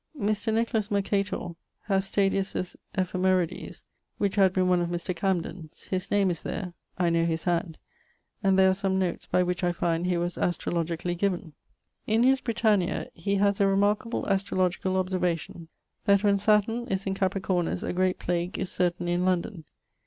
Mr. Nicholas Mercator has Stadius's Ephemerides, which had been one of Mr. Camden's; his name is there (I knowe his hand) and there are some notes by which I find he was astrologically given. In his Britannia he haz a remarkable astrologicall observation, that when Saturn is in Capricornus a great plague is certainly in London.